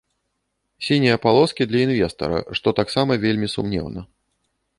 Сінія палоскі для інвестара, што таксама вельмі сумнеўна.